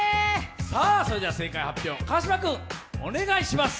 それでは正解は川島君、お願いします。